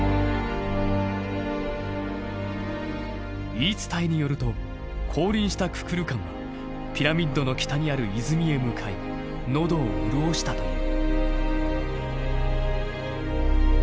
言い伝えによると降臨したククルカンはピラミッドの北にある泉へ向かい喉を潤したという。